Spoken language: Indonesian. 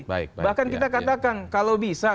baik bahkan kita katakan kalau bisa